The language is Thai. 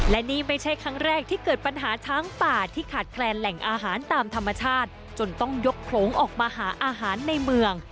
และนี่ไม่ใช่ครั้งแรกที่เกิดปัญหาช้างป่าที่ขาดแคลนแหล่งอาหารตามธรรมชาติจนต้องยกโขลงออกมาหาอาหารในเมือง